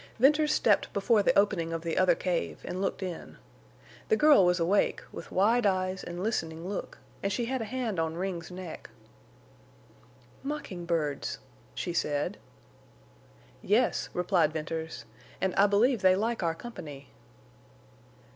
Venters stepped before the opening of the other cave and looked in. The girl was awake, with wide eyes and listening look, and she had a hand on Ring's neck. "Mocking birds!" she said. "Yes," replied Venters, "and I believe they like our company."